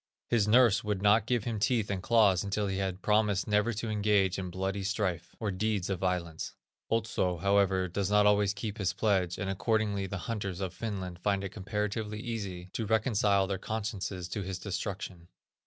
His nurse would not give him teeth and claws until he had promised never to engage in bloody strife, or deeds of violence. Otso, however, does not always keep his pledge, and accordingly the hunters of Finland find it comparatively easy to reconcile their consciences to his destruction.